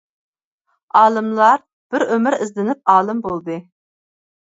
ئالىملار بىر ئۆمۈر ئىزدىنىپ ئالىم بولدى.